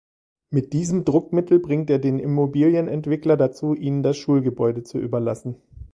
Mit diesem Druckmittel bringt er den Immobilienentwickler dazu ihnen das Schulgebäude zu überlassen.